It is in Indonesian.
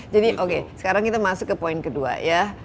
jadi oke sekarang kita masuk ke poin kedua ya